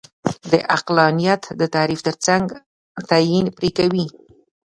د عقلانیت د تعریف ترڅنګ تعین پرې کوي.